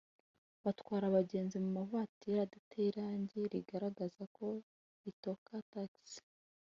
batwara abagenzi mu mavatiri adateye irangi rigaragaza ko ikota Taxi